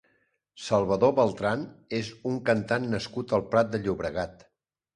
Salvador Beltrán és un cantant nascut al Prat de Llobregat.